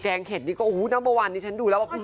แกงเข็ดนี่ก็โอ้โหนัมเบอร์๑นี่ฉันดูแล้วว่า